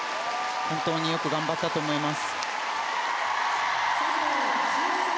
本当によく頑張ったと思います。